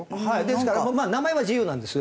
ですから名前は自由なんです。